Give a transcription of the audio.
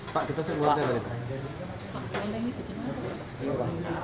pak kita sebuah terorita